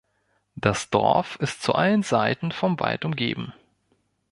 Das Dorf ist zu allen Seiten vom Wald umgeben.